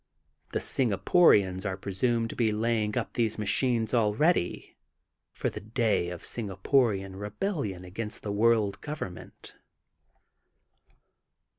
The Singaporians are presumed to be laying up these machines already, for the day of Singaporian rebellion against the World Government.